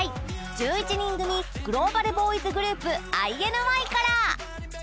１１人組グローバルボーイズグループ ＩＮＩ から